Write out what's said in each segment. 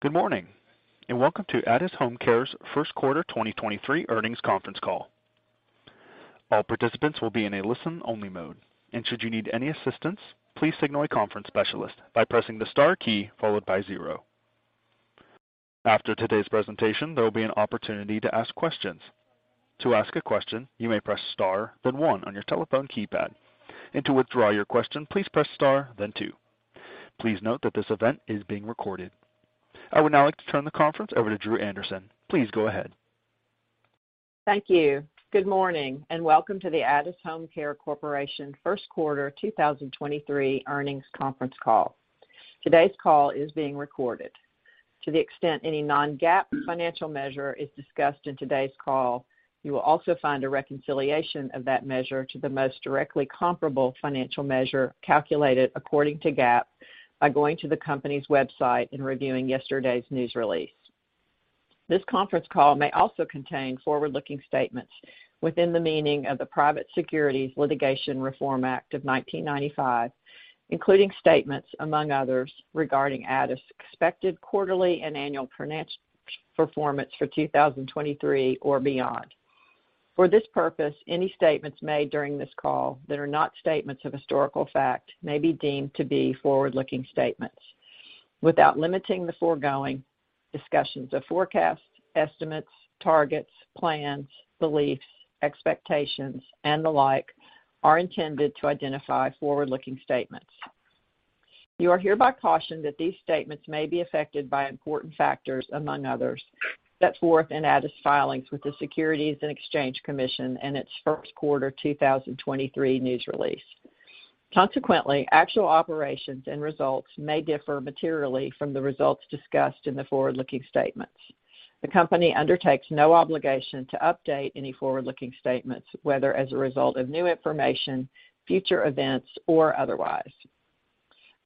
Good morning, and welcome to Addus HomeCare's First Quarter 2023 Earnings Conference Call. All participants will be in a listen-only mode, and should you need any assistance, please signal a conference specialist by pressing the star key followed by zero. After today's presentation, there will be an opportunity to ask questions. To ask a question, you may press star then one on your telephone keypad. To withdraw your question, please press star then two. Please note that this event is being recorded. I would now like to turn the conference over to Dru Anderson. Please go ahead. Thank you. Good morning, and welcome to the Addus HomeCare Corporation first quarter 2023 earnings conference call. Today's call is being recorded. To the extent any non-GAAP financial measure is discussed in today's call, you will also find a reconciliation of that measure to the most directly comparable financial measure calculated according to GAAP by going to the company's website and reviewing yesterday's news release. This conference call may also contain forward-looking statements within the meaning of the Private Securities Litigation Reform Act of 1995, including statements, among others, regarding Addus' expected quarterly and annual financial performance for 2023 or beyond. For this purpose, any statements made during this call that are not statements of historical fact may be deemed to be forward-looking statements. Without limiting the foregoing, discussions of forecasts, estimates, targets, plans, beliefs, expectations, and the like are intended to identify forward-looking statements. You are hereby cautioned that these statements may be affected by important factors, among others, set forth in Addus' filings with the Securities and Exchange Commission and its first quarter 2023 news release. Consequently, actual operations and results may differ materially from the results discussed in the forward-looking statements. The company undertakes no obligation to update any forward-looking statements, whether as a result of new information, future events, or otherwise.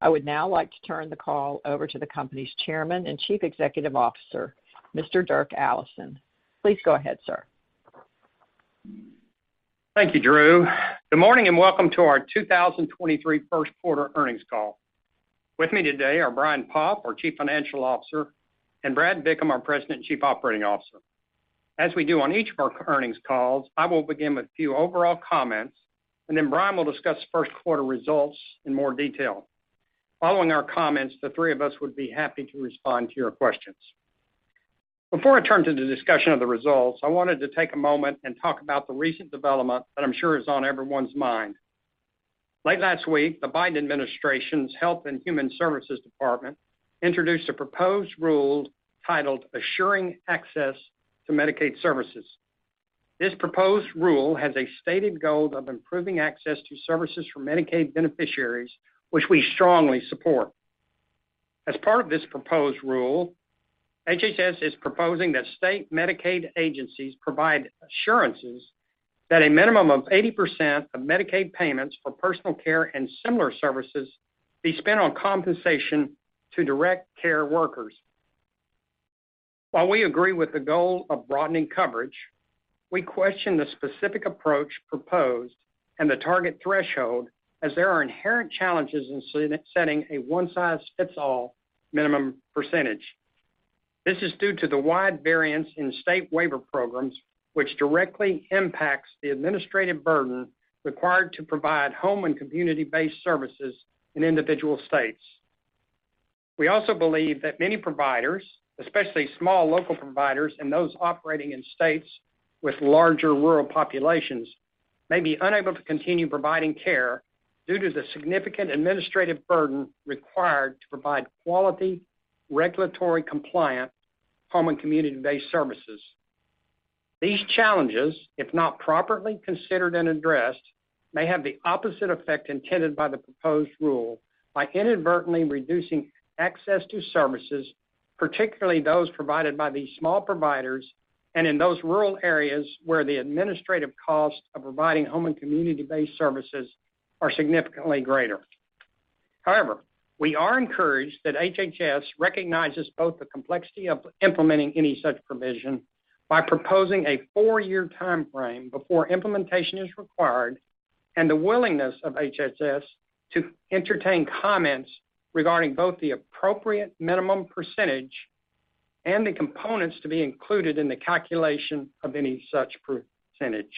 I would now like to turn the call over to the company's Chairman and Chief Executive Officer, Mr. Dirk Allison. Please go ahead, sir. Thank you, Dru. Good morning and welcome to our 2023 first quarter earnings call. With me today are Brian Poff, our Chief Financial Officer, and Brad Bickham, our President and Chief Operating Officer. As we do on each of our earnings calls, I will begin with a few overall comments, and then Brian will discuss first quarter results in more detail. Following our comments, the three of us would be happy to respond to your questions. Before I turn to the discussion of the results, I wanted to take a moment and talk about the recent development that I'm sure is on everyone's mind. Late last week, the Biden administration's Health and Human Services Department introduced a proposed rule titled Ensuring Access to Medicaid Services. This proposed rule has a stated goal of improving access to services for Medicaid beneficiaries, which we strongly support. As part of this proposed rule, HHS is proposing that state Medicaid agencies provide assurances that a minimum of 80% of Medicaid payments for personal care and similar services be spent on compensation to direct care workers. While we agree with the goal of broadening coverage, we question the specific approach proposed and the target threshold as there are inherent challenges in setting a one-size-fits-all minimum percentage. This is due to the wide variance in state waiver programs, which directly impacts the administrative burden required to provide home and community-based services in individual states. We also believe that many providers, especially small local providers and those operating in states with larger rural populations, may be unable to continue providing care due to the significant administrative burden required to provide quality, regulatory compliant home and community-based services. These challenges, if not properly considered and addressed, may have the opposite effect intended by the proposed rule by inadvertently reducing access to services, particularly those provided by these small providers and in those rural areas where the administrative cost of providing home and community-based services are significantly greater. We are encouraged that HHS recognizes both the complexity of implementing any such provision by proposing a 4-year timeframe before implementation is required and the willingness of HHS to entertain comments regarding both the appropriate minimum percentage and the components to be included in the calculation of any such percentage.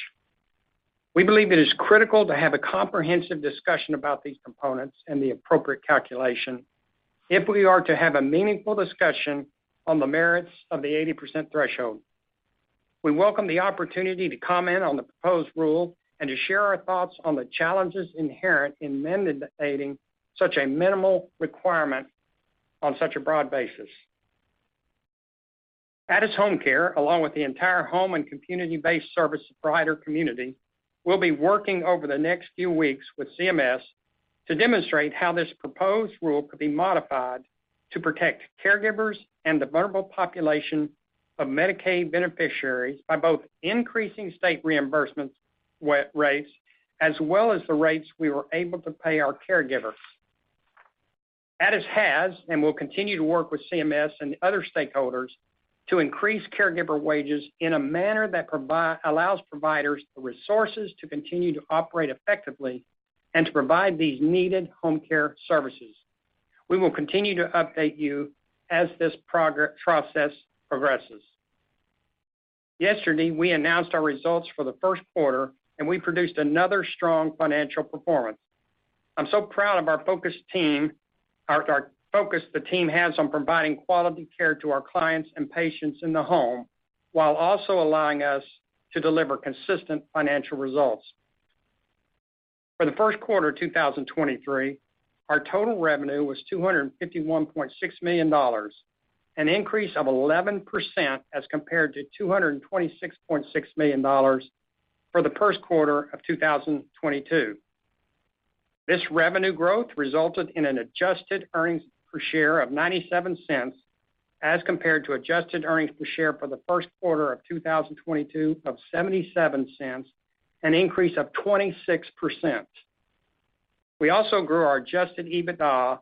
We believe it is critical to have a comprehensive discussion about these components and the appropriate calculation if we are to have a meaningful discussion on the merits of the 80% threshold. We welcome the opportunity to comment on the proposed rule and to share our thoughts on the challenges inherent in mandating such a minimal requirement on such a broad basis. Addus HomeCare, along with the entire home and community-based service provider community, will be working over the next few weeks with CMS to demonstrate how this proposed rule could be modified to protect caregivers and the vulnerable population of Medicaid beneficiaries by both increasing state reimbursement rates, as well as the rates we were able to pay our caregivers. Addus has and will continue to work with CMS and other stakeholders to increase caregiver wages in a manner that allows providers the resources to continue to operate effectively and to provide these needed home care services. We will continue to update you as this process progresses. Yesterday, we announced our results for the first quarter. We produced another strong financial performance. I'm so proud of our focused team, our focus the team has on providing quality care to our clients and patients in the home, while also allowing us to deliver consistent financial results. For the first quarter of 2023, our total revenue was $251.6 million, an increase of 11% as compared to $226.6 million for the first quarter of 2022. This revenue growth resulted in an Adjusted earnings per share of $0.97 as compared to Adjusted earnings per share for the first quarter of 2022 of $0.77, an increase of 26%. We also grew our Adjusted EBITDA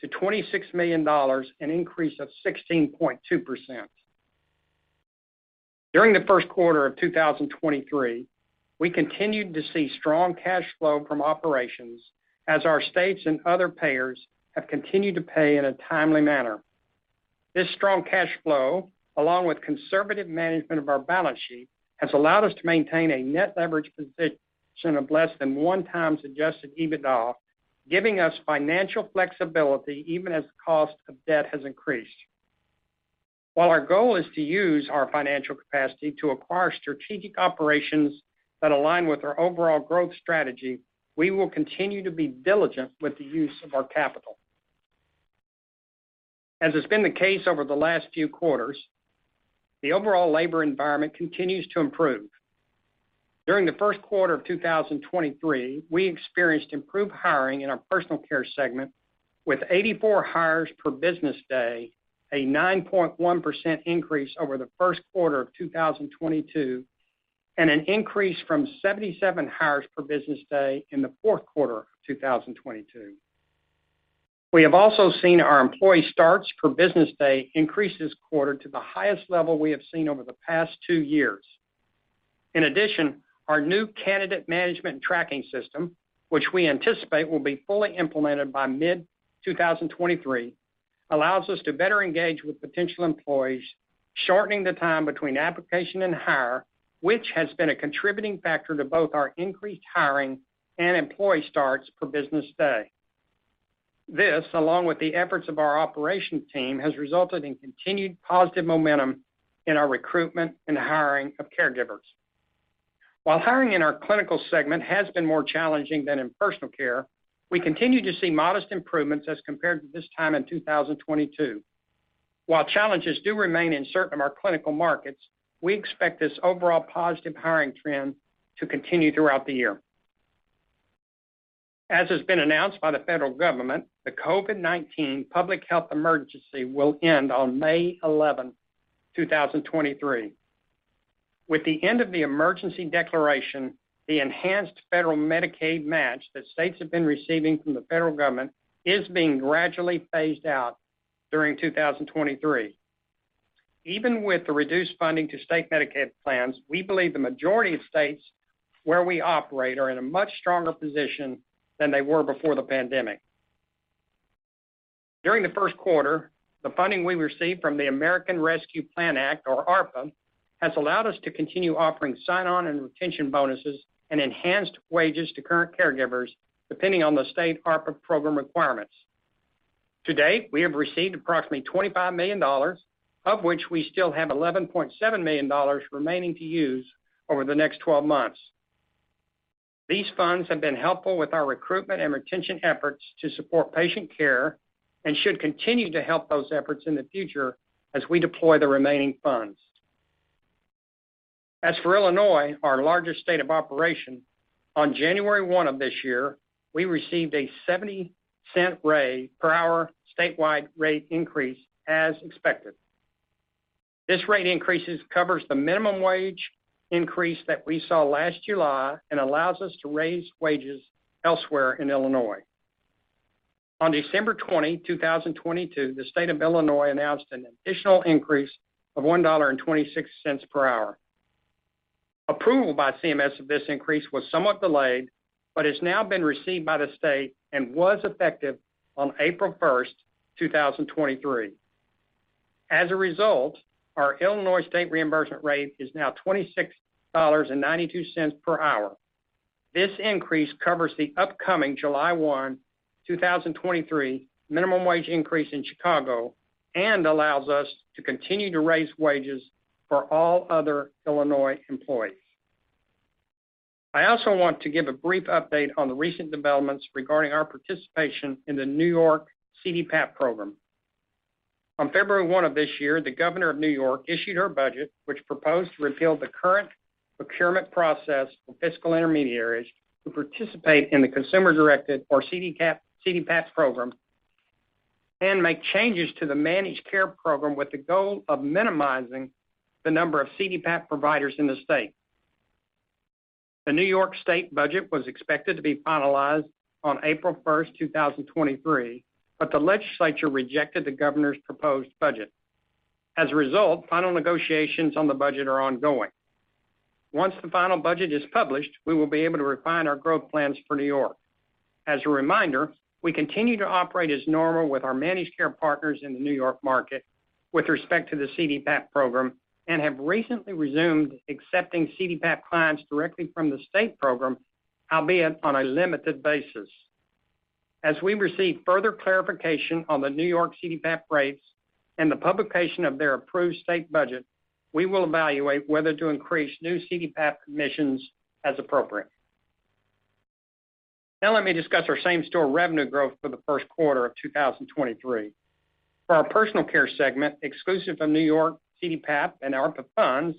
to $26 million, an increase of 16.2%. During the first quarter of 2023, we continued to see strong cash flow from operations as our states and other payers have continued to pay in a timely manner. This strong cash flow, along with conservative management of our balance sheet, has allowed us to maintain a net leverage position of less than 1x Adjusted EBITDA, giving us financial flexibility even as cost of debt has increased. While our goal is to use our financial capacity to acquire strategic operations that align with our overall growth strategy, we will continue to be diligent with the use of our capital. As has been the case over the last few quarters, the overall labor environment continues to improve. During the first quarter of 2023, we experienced improved hiring in our personal care segment with 84 hires per business day, a 9.1% increase over the first quarter of 2022, and an increase from 77 hires per business day in the fourth quarter of 2022. We have also seen our employee starts per business day increase this quarter to the highest level we have seen over the past two years. In addition, our new candidate management tracking system, which we anticipate will be fully implemented by mid-2023, allows us to better engage with potential employees, shortening the time between application and hire, which has been a contributing factor to both our increased hiring and employee starts per business day. This, along with the efforts of our operations team, has resulted in continued positive momentum in our recruitment and hiring of caregivers. While hiring in our clinical segment has been more challenging than in personal care, we continue to see modest improvements as compared to this time in 2022. While challenges do remain in certain of our clinical markets, we expect this overall positive hiring trend to continue throughout the year. As has been announced by the federal government, the COVID-19 Public Health Emergency will end on May 11th, 2023. With the end of the emergency declaration, the enhanced federal Medicaid match that states have been receiving from the federal government is being gradually phased out during 2023. Even with the reduced funding to state Medicaid plans, we believe the majority of states where we operate are in a much stronger position than they were before the pandemic. During the first quarter, the funding we received from the American Rescue Plan Act, or ARPA, has allowed us to continue offering sign-on and retention bonuses and enhanced wages to current caregivers, depending on the state ARPA program requirements. To date, we have received approximately $25 million, of which we still have $11.7 million remaining to use over the next 12 months. These funds have been helpful with our recruitment and retention efforts to support patient care and should continue to help those efforts in the future as we deploy the remaining funds. As for Illinois, our largest state of operation, on January 1st of this year, we received a $0.70 raise per hour statewide rate increase as expected. This rate increases covers the minimum wage increase that we saw last July and allows us to raise wages elsewhere in Illinois. On December 20, 2022, the State of Illinois announced an additional increase of $1.26 per hour. Approval by CMS of this increase was somewhat delayed, but has now been received by the state and was effective on April 1st, 2023. As a result, our Illinois state reimbursement rate is now $26.92 per hour. This increase covers the upcoming July 1st, 2023 minimum wage increase in Chicago and allows us to continue to raise wages for all other Illinois employees. I also want to give a brief update on the recent developments regarding our participation in the New York CDPAP program. On February 1st of this year, the Governor of New York issued her budget, which proposed to repeal the current procurement process for fiscal intermediaries who participate in the Consumer Directed, or CDPAP program, and make changes to the managed care program with the goal of minimizing the number of CDPAP providers in the state. The New York State budget was expected to be finalized on April 1st, 2023. The legislature rejected the governor's proposed budget. As a result, final negotiations on the budget are ongoing. Once the final budget is published, we will be able to refine our growth plans for New York. As a reminder, we continue to operate as normal with our managed care partners in the New York market with respect to the CDPAP program and have recently resumed accepting CDPAP clients directly from the state program, albeit on a limited basis. As we receive further clarification on the New York CDPAP rates and the publication of their approved state budget, we will evaluate whether to increase new CDPAP admissions as appropriate. Now let me discuss our same-store revenue growth for the first quarter of 2023. For our personal care segment, exclusive of New York, CDPAP, and ARPA funds,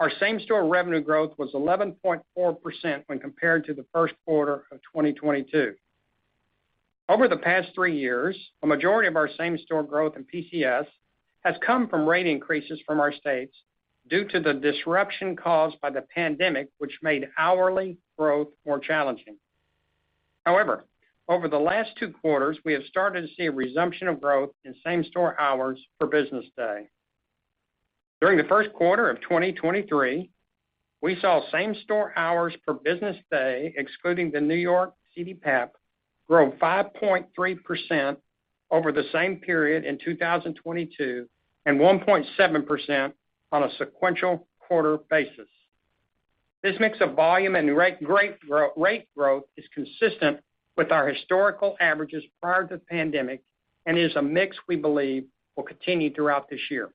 our same-store revenue growth was 11.4% when compared to the first quarter of 2022. Over the past three years, a majority of our same-store growth in PCS has come from rate increases from our states due to the disruption caused by the pandemic, which made hourly growth more challenging. Over the last two quarters, we have started to see a resumption of growth in same-store hours per business day. During the first quarter of 2023, we saw same-store hours per business day, excluding the New York CDPAP, grow 5.3% over the same period in 2022 and 1.7% on a sequential quarter basis. This mix of volume and rate growth is consistent with our historical averages prior to the pandemic and is a mix we believe will continue throughout this year.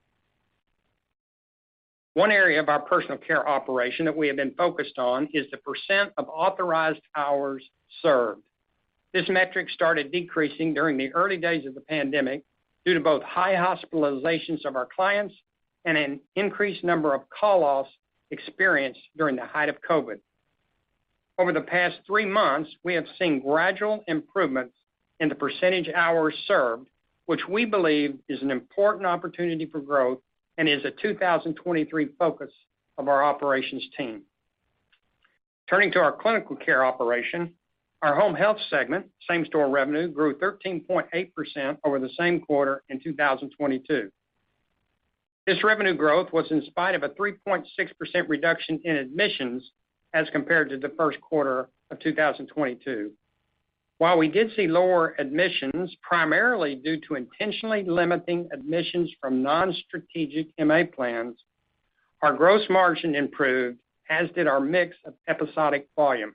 One area of our personal care operation that we have been focused on is the percentage of authorized hours served. This metric started decreasing during the early days of the pandemic due to both high hospitalizations of our clients and an increased number of call-offs experienced during the height of COVID. Over the past three months, we have seen gradual improvements in the percentage hours served, which we believe is an important opportunity for growth and is a 2023 focus of our operations team. Turning to our clinical care operation, our home health segment same-store revenue grew 13.8% over the same quarter in 2022. This revenue growth was in spite of a 3.6% reduction in admissions as compared to the first quarter of 2022. While we did see lower admissions, primarily due to intentionally limiting admissions from non-strategic MA plans, our gross margin improved, as did our mix of episodic volume.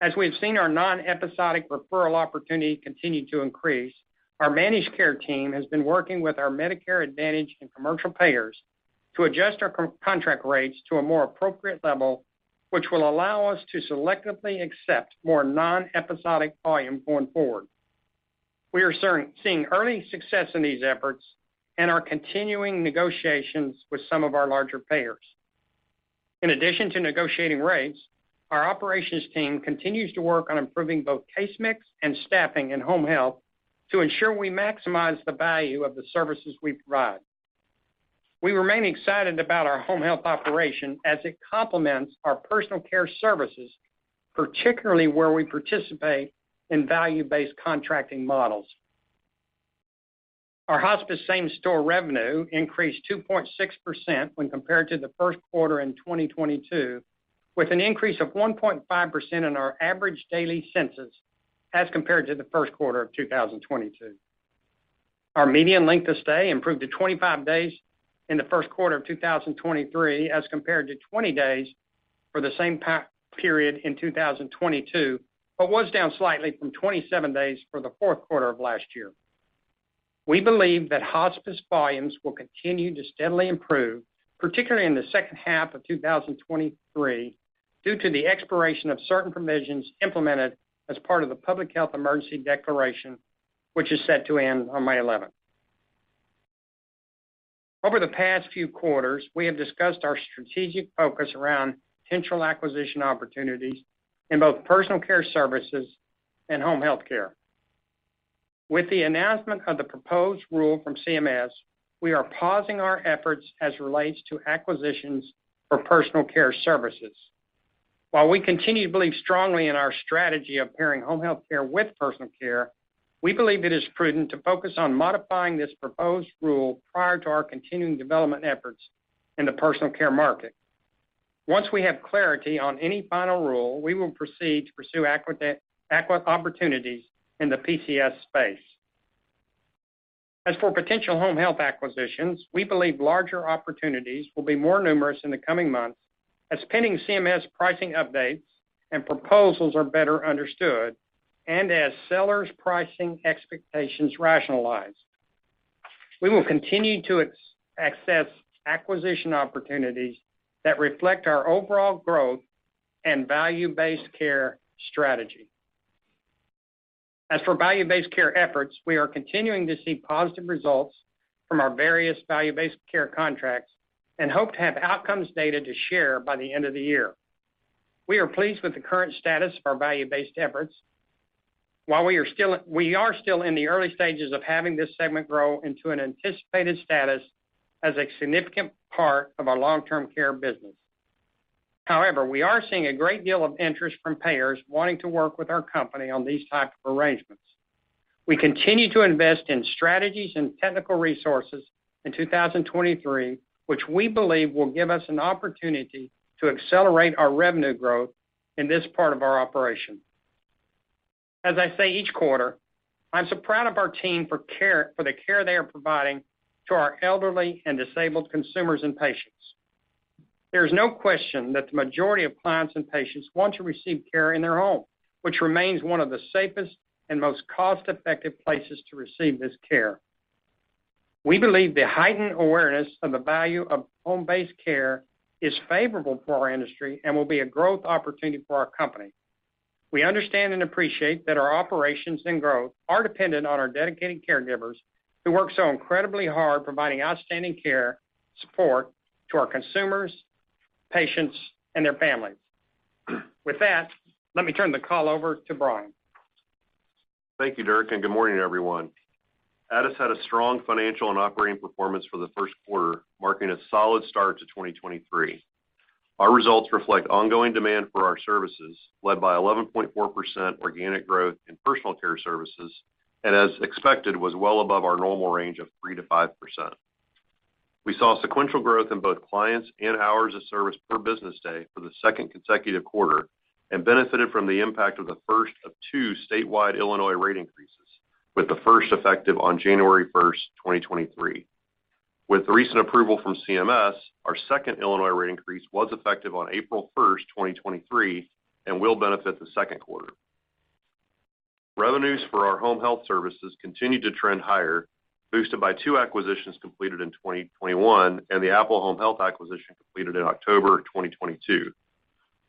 As we've seen our non-episodic referral opportunity continue to increase, our managed care team has been working with our Medicare Advantage and commercial payers to adjust our contract rates to a more appropriate level, which will allow us to selectively accept more non-episodic volume going forward. We are seeing early success in these efforts and are continuing negotiations with some of our larger payers. Negotiating rates, our operations team continues to work on improving both case mix and staffing in home health to ensure we maximize the value of the services we provide. We remain excited about our home health operation as it complements our personal care services, particularly where we participate in value-based contracting models. Our hospice same-store revenue increased 2.6% when compared to the first quarter in 2022, with an increase of 1.5% in our average daily census as compared to the first quarter of 2022. Our median length of stay improved to 25 days in the first quarter of 2023 as compared to 20 days for the same period in 2022, but was down slightly from 27 days for the fourth quarter of last year. We believe that hospice volumes will continue to steadily improve, particularly in the second half of 2023, due to the expiration of certain provisions implemented as part of the Public Health Emergency Declaration, which is set to end on May 11th. Over the past few quarters, we have discussed our strategic focus around potential acquisition opportunities in both personal care services and home health care. With the announcement of the proposed rule from CMS, we are pausing our efforts as relates to acquisitions for personal care services. While we continue to believe strongly in our strategy of pairing home health care with personal care, we believe it is prudent to focus on modifying this proposed rule prior to our continuing development efforts in the personal care market. Once we have clarity on any final rule, we will proceed to pursue opportunities in the PCS space. As for potential home health acquisitions, we believe larger opportunities will be more numerous in the coming months as pending CMS pricing updates and proposals are better understood and as sellers' pricing expectations rationalize. We will continue to access acquisition opportunities that reflect our overall growth and value-based care strategy. As for value-based care efforts, we are continuing to see positive results from our various value-based care contracts and hope to have outcomes data to share by the end of the year. We are pleased with the current status of our value-based efforts. While we are still in the early stages of having this segment grow into an anticipated status as a significant part of our long-term care business. We are seeing a great deal of interest from payers wanting to work with our company on these types of arrangements. We continue to invest in strategies and technical resources in 2023, which we believe will give us an opportunity to accelerate our revenue growth in this part of our operation. As I say each quarter, I'm so proud of our team for the care they are providing to our elderly and disabled consumers and patients. There is no question that the majority of clients and patients want to receive care in their home, which remains one of the safest and most cost-effective places to receive this care. We believe the heightened awareness of the value of home-based care is favorable for our industry and will be a growth opportunity for our company. We understand and appreciate that our operations and growth are dependent on our dedicated caregivers who work so incredibly hard providing outstanding care, support to our consumers, patients, and their families. With that, let me turn the call over to Brian. Thank you, Dirk. Good morning, everyone. Addus had a strong financial and operating performance for the first quarter, marking a solid start to 2023. Our results reflect ongoing demand for our services, led by 11.4% organic growth in personal care services, and as expected, was well above our normal range of 3%-5%. We saw sequential growth in both clients and hours of service per business day for the second consecutive quarter, and benefited from the impact of the first of two statewide Illinois rate increases, with the first effective on January 1st, 2023. With the recent approval from CMS, our second Illinois rate increase was effective on April 1st, 2023, and will benefit the second quarter. Revenues for our home health services continued to trend higher, boosted by two acquisitions completed in 2021, and the Apple Home Healthcare acquisition completed in October 2022.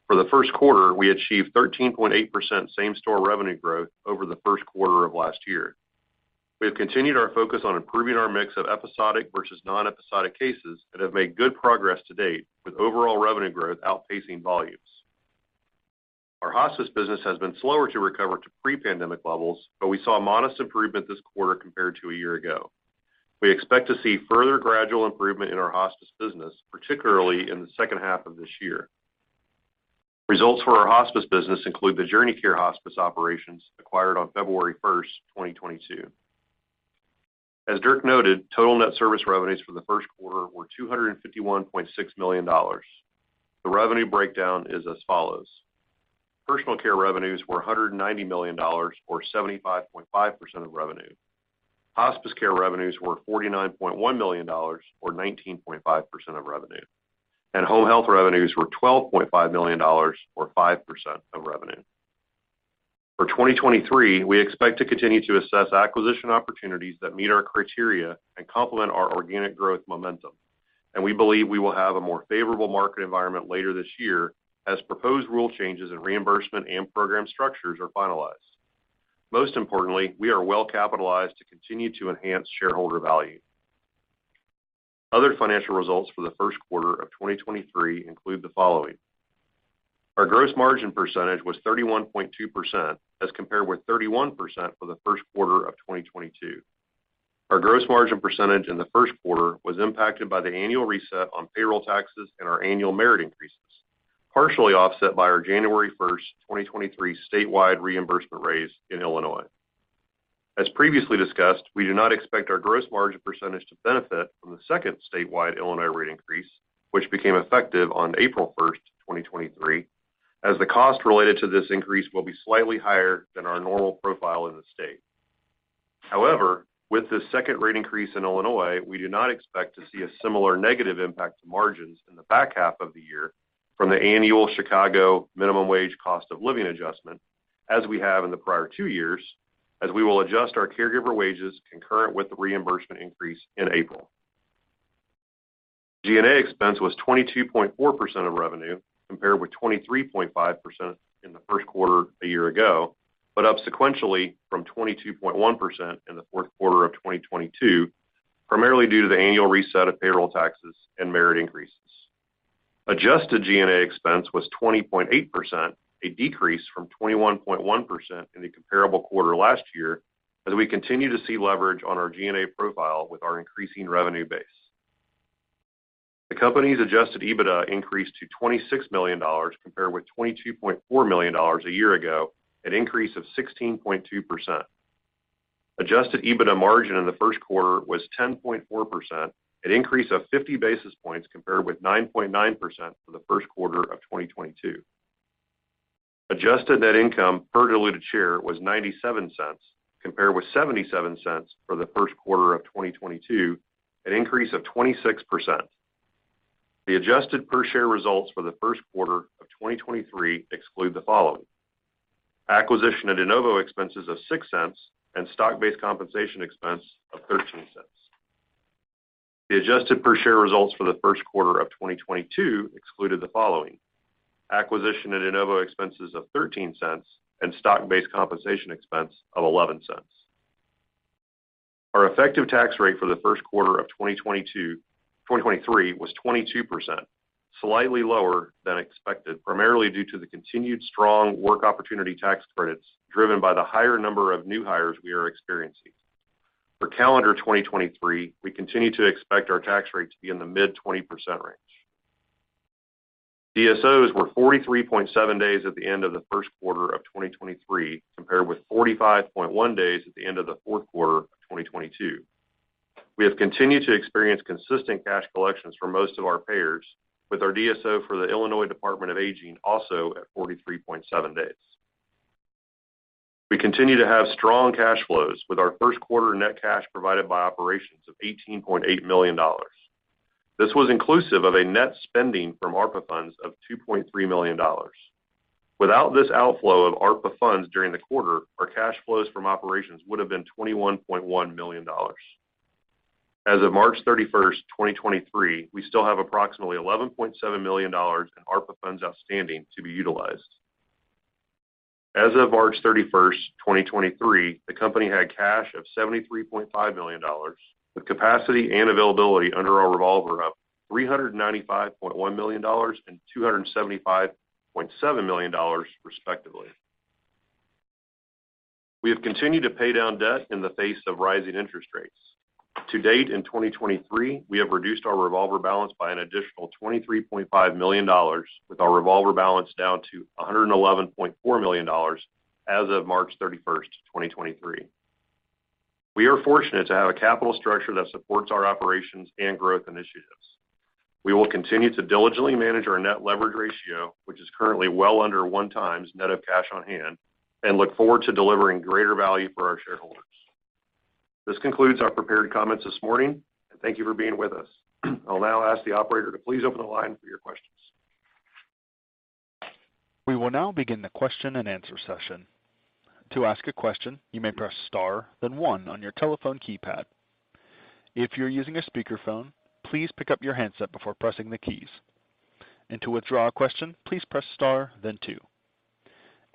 For the first quarter, we achieved 13.8% same-store revenue growth over the first quarter of last year. We have continued our focus on improving our mix of episodic versus non-episodic cases and have made good progress to date, with overall revenue growth outpacing volumes. Our hospice business has been slower to recover to pre-pandemic levels, but we saw a modest improvement this quarter compared to a year ago. We expect to see further gradual improvement in our hospice business, particularly in the second half of this year. Results for our hospice business include the JourneyCare operations acquired on February 1st, 2022. As Dirk noted, total net service revenues for the first quarter were $251.6 million. The revenue breakdown is as follows: Personal care revenues were $190 million, or 75.5% of revenue. Hospice care revenues were $49.1 million, or 19.5% of revenue. Home health revenues were $12.5 million, or 5% of revenue. For 2023, we expect to continue to assess acquisition opportunities that meet our criteria and complement our organic growth momentum, and we believe we will have a more favorable market environment later this year as proposed rule changes in reimbursement and program structures are finalized. Most importantly, we are well-capitalized to continue to enhance shareholder value. Other financial results for the first quarter of 2023 include the following. Our gross margin percentage was 31.2% as compared with 31% for the first quarter of 2022. Our gross margin percentage in the first quarter was impacted by the annual reset on payroll taxes and our annual merit increases, partially offset by our January 1st, 2023 statewide reimbursement raise in Illinois. As previously discussed, we do not expect our gross margin percentage to benefit from the second statewide Illinois rate increase, which became effective on April 1st, 2023, as the cost related to this increase will be slightly higher than our normal profile in the state. However, with the second rate increase in Illinois, we do not expect to see a similar negative impact to margins in the back half of the year from the annual Chicago minimum wage cost of living adjustment as we have in the prior two years, as we will adjust our caregiver wages concurrent with the reimbursement increase in April. G&A expense was 22.4% of revenue, compared with 23.5% in the first quarter a year ago, but up sequentially from 22.1% in the fourth quarter of 2022, primarily due to the annual reset of payroll taxes and merit increases. Adjusted G&A expense was 20.8%, a decrease from 21.1% in the comparable quarter last year as we continue to see leverage on our G&A profile with our increasing revenue base. The company's Adjusted EBITDA increased to $26 million, compared with $22.4 million a year ago, an increase of 16.2%. Adjusted EBITDA margin in the first quarter was 10.4%, an increase of 50 basis points compared with 9.9% for the first quarter of 2022. Adjusted net income per diluted share was $0.97 compared with $0.77 for the first quarter of 2022, an increase of 26%. The Adjusted per share results for the first quarter of 2023 exclude the following: Acquisition and de novo expenses of $0.06 and stock-based compensation expense of $0.13. The Adjusted per share results for the first quarter of 2022 excluded the following: Acquisition and de novo expenses of $0.13 and stock-based compensation expense of $0.11. Our effective tax rate for the first quarter of 2023 was 22%, slightly lower than expected, primarily due to the continued strong Work Opportunity Tax Credits driven by the higher number of new hires we are experiencing. For calendar 2023, we continue to expect our tax rate to be in the mid 20% range. DSOs were 43.7 days at the end of the first quarter of 2023, compared with 45.1 days at the end of the fourth quarter of 2022. We have continued to experience consistent cash collections for most of our payers, with our DSO for the Illinois Department on Aging also at 43.7 days. We continue to have strong cash flows with our first quarter net cash provided by operations of $18.8 million. This was inclusive of a net spending from ARPA funds of $2.3 million. Without this outflow of ARPA funds during the quarter, our cash flows from operations would have been $21.1 million. As of March 31st, 2023, we still have approximately $11.7 million in ARPA funds outstanding to be utilized. As of March 31st, 2023, the company had cash of $73.5 million, with capacity and availability under our revolver of $395.1 million and $275.7 million, respectively. We have continued to pay down debt in the face of rising interest rates. To date, in 2023, we have reduced our revolver balance by an additional $23.5 million, with our revolver balance down to $111.4 million as of March 31st, 2023. We are fortunate to have a capital structure that supports our operations and growth initiatives. We will continue to diligently manage our net leverage ratio, which is currently well under 1x net of cash on hand, and look forward to delivering greater value for our shareholders. This concludes our prepared comments this morning, and thank you for being with us. I'll now ask the operator to please open the line for your questions. We will now begin the Q&A session. To ask a question, you may press star, then one on your telephone keypad. If you're using a speakerphone, please pick up your handset before pressing the keys. To withdraw a question, please press star then two.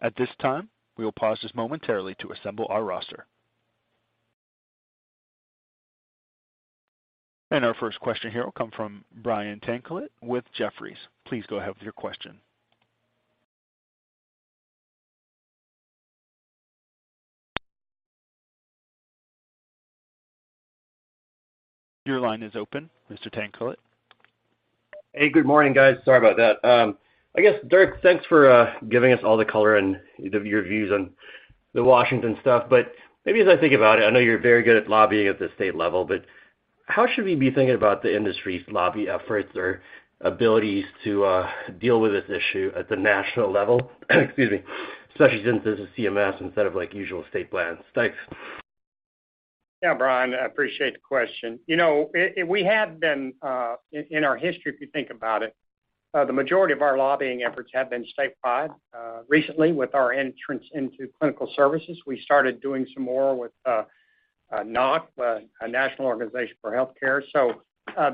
At this time, we will pause just momentarily to assemble our roster. Our first question here will come from Brian Tanquilut with Jefferies. Please go ahead with your question. Your line is open, Mr. Tanquilut? Hey, good morning, guys. Sorry about that. I guess, Dirk, thanks for giving us all the color and your views on the Washington stuff. Maybe as I think about it, I know you're very good at lobbying at the state level, but how should we be thinking about the industry's lobby efforts or abilities to deal with this issue at the national level, excuse me, especially since this is CMS instead of like usual state plans? Thanks. Yeah, Brian, I appreciate the question. You know, we have been in our history, if you think about it, the majority of our lobbying efforts have been state-wide. Recently with our entrance into clinical services, we started doing some more with NAHC, a National Organization for Healthcare.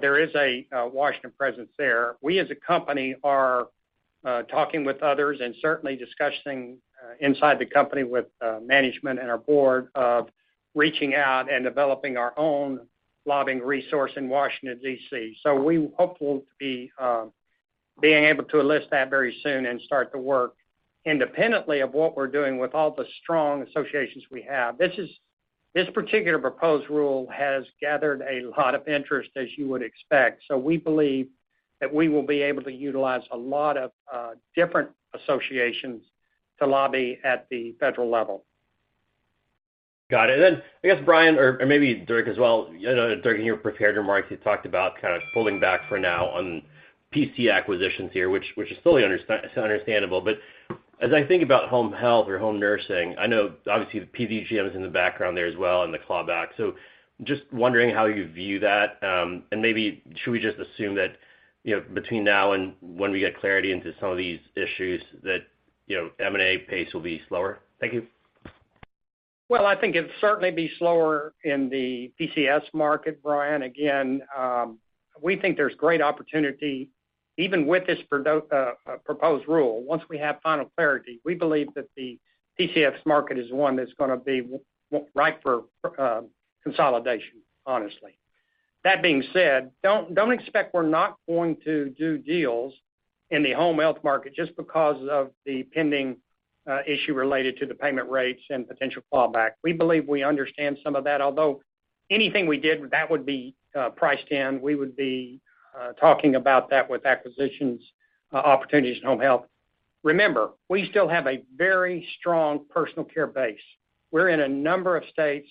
There is a Washington presence there. We, as a company, are talking with others and certainly discussing inside the company with management and our board of reaching out and developing our own lobbying resource in Washington, D.C. We hope we'll be being able to enlist that very soon and start to work independently of what we're doing with all the strong associations we have. This particular proposed rule has gathered a lot of interest, as you would expect. We believe that we will be able to utilize a lot of different associations to lobby at the federal level. Got it. I guess, Brian, or Dirk as well, you know, Dirk, in your prepared remarks, you talked about kind of pulling back for now on PC acquisitions here, which is totally understandable. As I think about home health or home nursing, I know obviously, the PDGM is in the background there as well and the clawback. Just wondering how you view that, and maybe should we just assume that, you know, between now and when we get clarity into some of these issues that, you know, M&A pace will be slower? Thank you. Well, I think it'd certainly be slower in the PCS market, Brian. Again, we think there's great opportunity even with this proposed rule. Once we have final clarity, we believe that the PCS market is one that's gonna be ripe for consolidation, honestly. That being said, don't expect we're not going to do deals in the home health market just because of the pending issue related to the payment rates and potential fallback. We believe we understand some of that, although anything we did, that would be priced in. We would be talking about that with acquisitions opportunities in home health. Remember, we still have a very strong personal care base. We're in a number of states,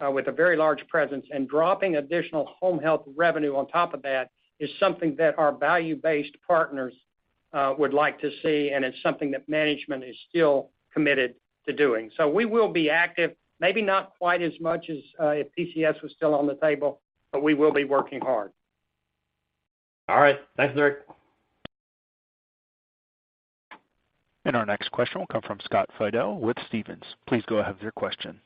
with a very large presence, and dropping additional home health revenue on top of that is something that our value-based partners would like to see, and it's something that management is still committed to doing. We will be active, maybe not quite as much as if PCS was still on the table, but we will be working hard. All right. Thanks, Dirk. Our next question will come from Scott Fidel with Stephens. Please go ahead with your question.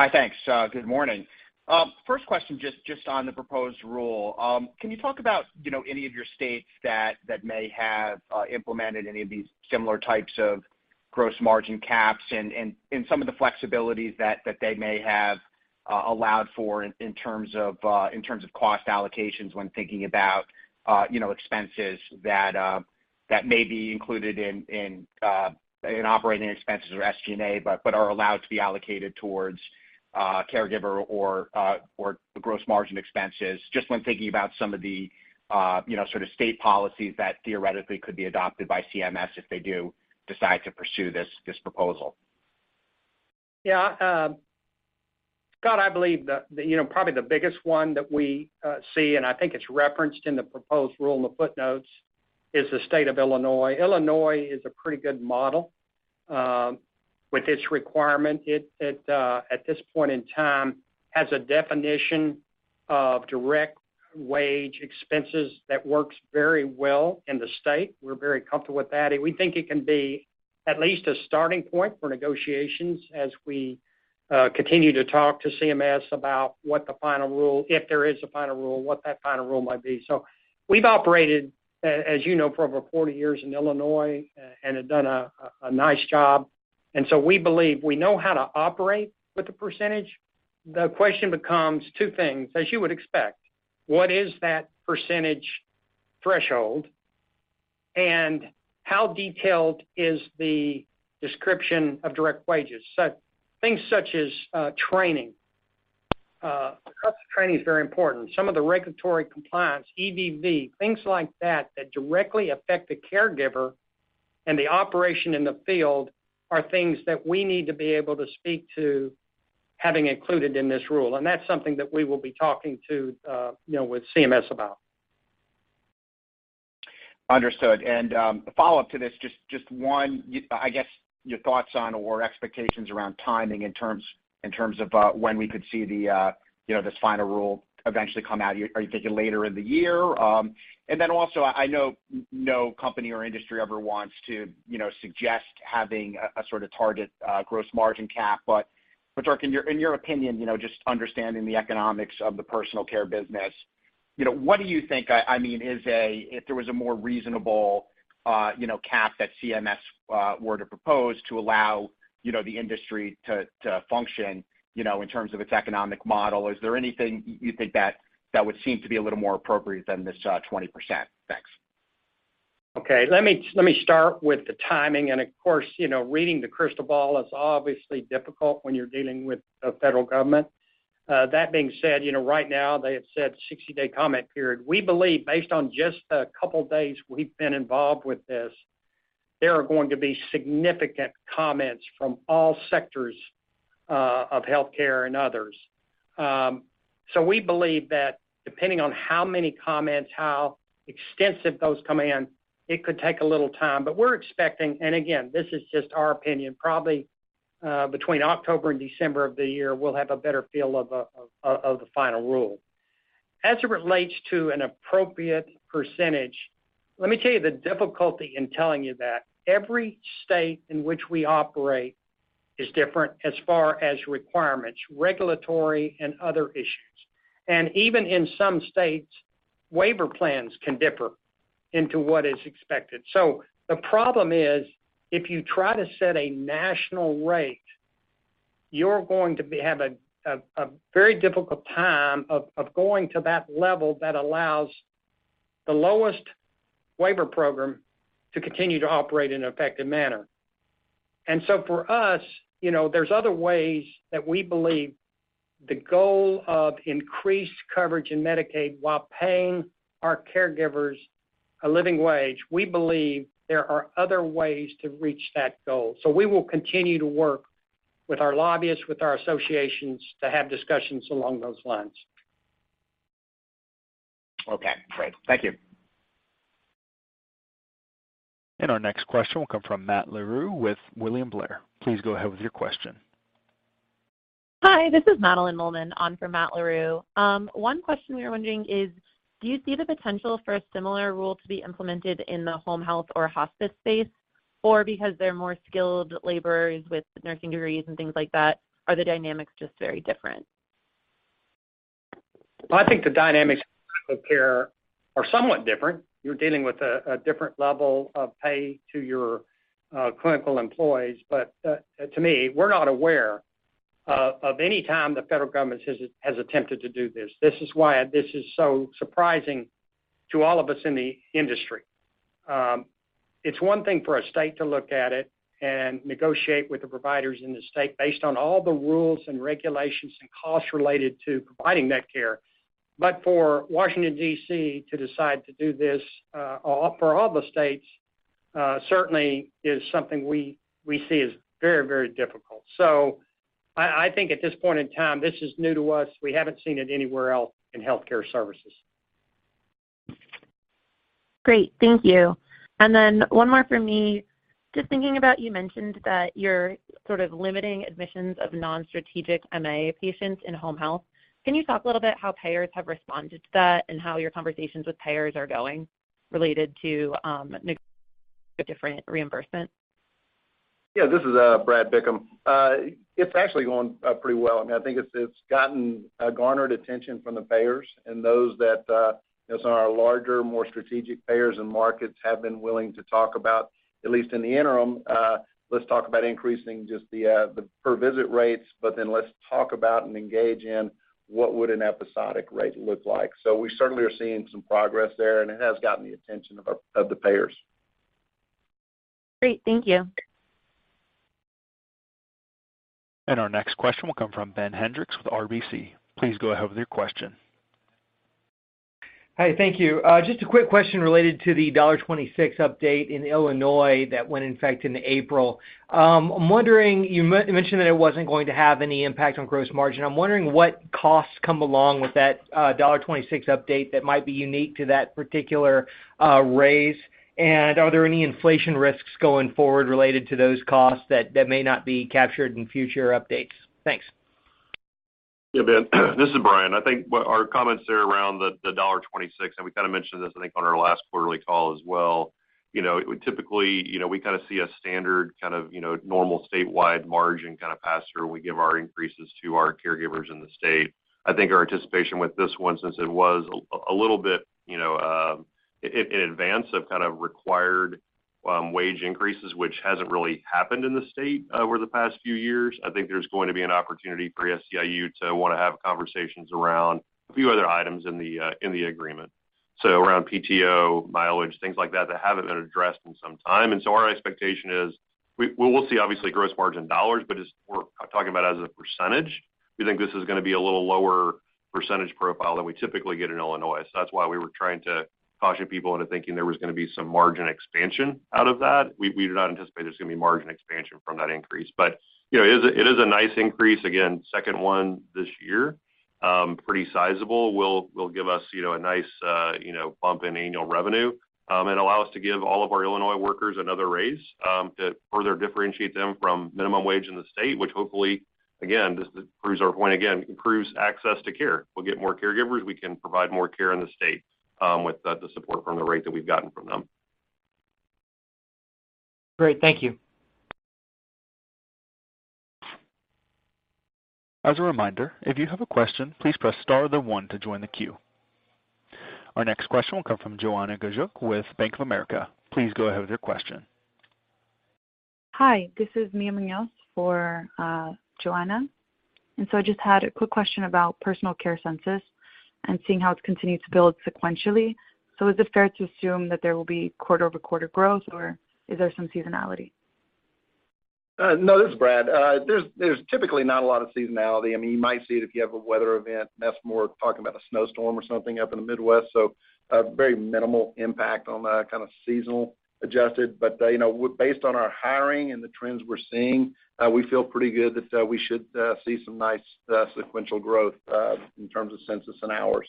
Hi. Thanks. Good morning. First question, just on the proposed rule. Can you talk about, you know, any of your states that may have implemented any of these similar types of Gross margin caps and some of the flexibilities that they may have allowed for in terms of cost allocations when thinking about, you know, expenses that may be included in operating expenses or SG&A, but are allowed to be allocated towards caregiver or the gross margin expenses? Just when thinking about some of the, you know, sort of state policies that theoretically could be adopted by CMS if they do decide to pursue this proposal. Yeah. Scott, I believe the, you know, probably the biggest one that we see, and I think it's referenced in the proposed rule in the footnotes, is the State of Illinois. Illinois is a pretty good model, with its requirement. It, at this point in time has a definition of direct wage expenses that works very well in the state. We're very comfortable with that. We think it can be at least a starting point for negotiations as we continue to talk to CMS about what the final rule, if there is a final rule, what that final rule might be. We've operated, as you know, for over 40 years in Illinois and have done a nice job. We believe we know how to operate with the percentage. The question becomes two things, as you would expect. What is that percentage threshold, and how detailed is the description of direct wages? Things such as, training. The cost of training is very important. Some of the regulatory compliance, EVV, things like that directly affect the caregiver and the operation in the field are things that we need to be able to speak to having included in this rule, and that's something that we will be talking to, you know, with CMS about. Understood. A follow-up to this, just one, I guess your thoughts on or expectations around timing in terms of, when we could see the, you know, this final rule eventually come out. Are you thinking later in the year? Also, I know no company or industry ever wants to, you know, suggest having a sort of target gross margin cap, but Dirk, in your opinion, you know, just understanding the economics of the personal care business, you know, what do you think, I mean, is if there was a more reasonable, you know, cap that CMS were to propose to allow, you know, the industry to function, you know, in terms of its economic model, is there anything you think that would seem to be a little more appropriate than this, 20%? Thanks. Okay. Let me start with the timing. Of course, you know, reading the crystal ball is obviously difficult when you're dealing with a federal government. That being said, you know, right now they have said 60-day comment period. We believe based on just the couple days we've been involved with this, there are going to be significant comments from all sectors of healthcare and others. We believe that depending on how many comments, how extensive those come in, it could take a little time. We're expecting, and again, this is just our opinion, probably between October and December of the year, we'll have a better feel of the final rule. As it relates to an appropriate percentage, let me tell you the difficulty in telling you that. Every state in which we operate is different as far as requirements, regulatory and other issues. Even in some states, waiver plans can differ into what is expected. The problem is, if you try to set a national rate, you're going to have a very difficult time of going to that level that allows the lowest waiver program to continue to operate in an effective manner. For us, you know, there's other ways that we believe the goal of increased coverage in Medicaid while paying our caregivers a living wage, we believe there are other ways to reach that goal. We will continue to work with our lobbyists, with our associations to have discussions along those lines. Okay, great. Thank you. Our next question will come from Matt Larew with William Blair. Please go ahead with your question. Hi, this is Madeline Mullen on for Matt Larew. One question we were wondering is, do you see the potential for a similar rule to be implemented in the home health or hospice space? Because they're more skilled laborers with nursing degrees and things like that, are the dynamics just very different? Well, I think the dynamics of care are somewhat different. You're dealing with a different level of pay to your clinical employees. To me, we're not aware of any time the federal government has attempted to do this. This is why this is so surprising to all of us in the industry. It's one thing for a state to look at it and negotiate with the providers in the state based on all the rules and regulations and costs related to providing that care. For Washington D.C. to decide to do this, for all the states, certainly is something we see as very, very difficult. I think at this point in time, this is new to us. We haven't seen it anywhere else in healthcare services. Great. Thank you. One more from me. Just thinking about, you mentioned that you're sort of limiting admissions of non-strategic MA patients in home health, can you talk a little bit how payers have responded to that and how your conversations with payers are going related to the different reimbursement? Yeah, this is Brad Bickham. It's actually going pretty well. I mean, I think it's gotten a garnered attention from the payers and those that, as our larger, more strategic payers and markets have been willing to talk about, at least in the interim, let's talk about increasing just the per visit rates, but then let's talk about and engage in what would an episodic rate look like. We certainly are seeing some progress there, and it has gotten the attention of our, of the payers. Great. Thank you. Our next question will come from Ben Hendrix with RBC. Please go ahead with your question. Hi. Thank you. Just a quick question related to the $1.26 update in Illinois that went in effect in April. I'm wondering, you mentioned that it wasn't going to have any impact on gross margin. I'm wondering what costs come along with that $1.26 update that might be unique to that particular raise. Are there any inflation risks going forward related to those costs that may not be captured in future updates? Thanks. Ben. This is Brian. I think what our comments are around the $1.26, and we kind of mentioned this, I think, on our last quarterly call as well, you know, we typically, you know, we kinda see a standard kind of, you know, normal statewide margin kind of pass-through when we give our increases to our caregivers in the state. I think our anticipation with this one, since it was a little bit, you know, in advance of kind of required wage increases, which hasn't really happened in the state over the past few years, I think there's going to be an opportunity for SEIU to wanna have conversations around a few other items in the agreement. Around PTO, mileage, things like that that haven't been addressed in some time. Our expectation is we... We will see obviously gross margin dollars, but as we're talking about as a percentage, we think this is gonna be a little lower percentage profile than we typically get in Illinois. That's why we were trying to caution people into thinking there was gonna be some margin expansion out of that. We do not anticipate there's gonna be margin expansion from that increase. You know, it is a, it is a nice increase. Again, second one this year, pretty sizable. Will give us, you know, a nice, you know, bump in annual revenue, and allow us to give all of our Illinois workers another raise, to further differentiate them from minimum wage in the state, which hopefully, again, just proves our point again, improves access to care. We'll get more caregivers. We can provide more care in the state, with the support from the rate that we've gotten from them. Great. Thank you. As a reminder, if you have a question, please press star then one to join the queue. Our next question will come from Joanna Gajuk with Bank of America. Please go ahead with your question. Hi. This is Mia Munoz for Joanna. I just had a quick question about personal care census and seeing how it's continued to build sequentially. Is it fair to assume that there will be QoQ growth, or is there some seasonality? No, this is Brad. There's typically not a lot of seasonality. I mean, you might see it if you have a weather event. That's more talking about a snowstorm or something up in the Midwest. Very minimal impact on the kind of seasonal adjusted. You know, based on our hiring and the trends we're seeing, we feel pretty good that we should see some nice, sequential growth in terms of census and hours.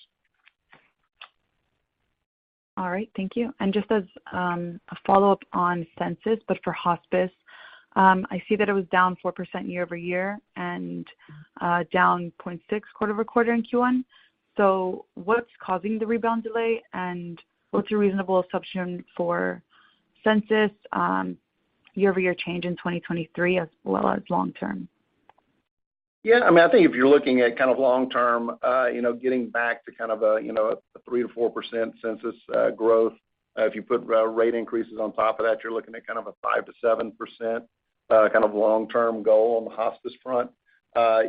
All right. Thank you. Just as a follow-up on census, but for hospice, I see that it was down 4% YoY and down 0.6 QoQ in Q1. What's causing the rebound delay, and what's your reasonable assumption for census YoY change in 2023 as well as long term? Yeah. I mean, I think if you're looking at kind of long term, you know, getting back to kind of a, you know, a 3%-4% census growth, if you put rate increases on top of that, you're looking at kind of a 5%-7% kind of long-term goal on the hospice front.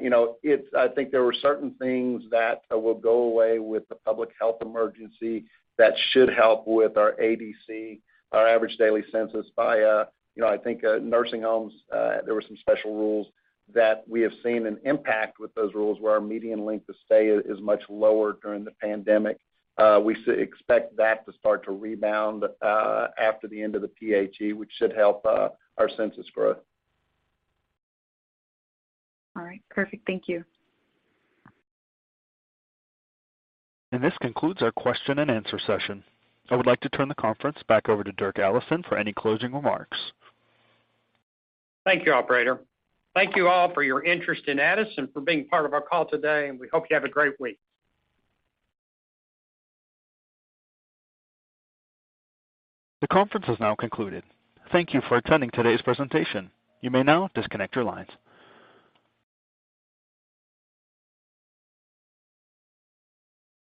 You know, I think there were certain things that will go away with the Public Health Emergency that should help with our ADC, our average daily census by, you know, I think, nursing homes, there were some special rules that we have seen an impact with those rules, where our median length of stay is much lower during the pandemic. We expect that to start to rebound after the end of the PHE, which should help our census growth. All right. Perfect. Thank you. This concludes our Q&A session. I would like to turn the conference back over to Dirk Allison for any closing remarks. Thank you, operator. Thank you all for your interest in Addus, for being part of our call today, and we hope you have a great week. The conference has now concluded. Thank you for attending today's presentation. You may now disconnect your lines.